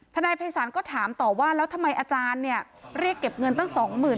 นายภัยศาลก็ถามต่อว่าแล้วทำไมอาจารย์เนี่ยเรียกเก็บเงินตั้ง๒๐๐๐